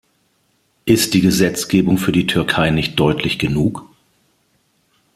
Ist die Gesetzgebung für die Türkei nicht deutlich genug?